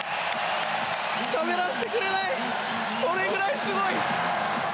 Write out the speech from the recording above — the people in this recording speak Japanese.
しゃべらせてくれないそれぐらいすごい。